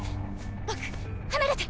僕離れて。